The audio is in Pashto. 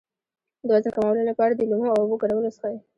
د وزن کمولو لپاره د لیمو او اوبو ګډول وڅښئ